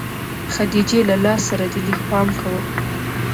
خديجې له لاس سره دې لږ پام کوه.